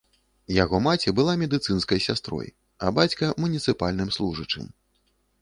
Яго маці была медыцынскай сястрой, а бацька муніцыпальным служачым.